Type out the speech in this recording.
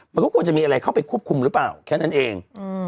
มันก็ควรจะมีอะไรเข้าไปควบคุมหรือเปล่าแค่นั้นเอง